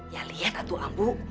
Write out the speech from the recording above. ya liat atuh ambu